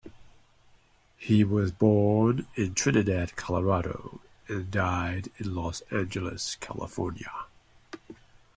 He was born in Trinidad, Colorado and died in Los Angeles, California.